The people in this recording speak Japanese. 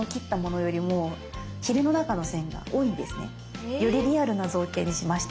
よりリアルな造形にしました。